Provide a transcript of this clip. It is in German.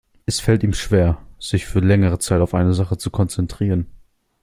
Es fällt ihm schwer, sich für längere Zeit auf eine Sache zu konzentrieren.